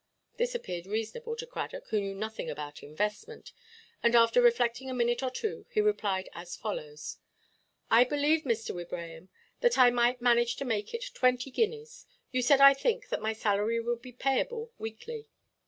This appeared reasonable to Cradock, who knew nothing about investment; and, after reflecting a minute or two, he replied as follows: "I believe, Mr. Wibraham, that I might manage to make it twenty guineas. You said, I think, that my salary would be payable weekly."